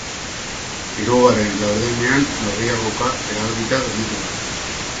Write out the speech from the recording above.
Hirugarren laurdenean norgehiagoka erabakita gelditu da.